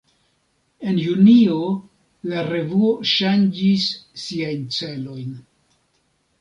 En junio, la revuo ŝanĝis siajn celojn.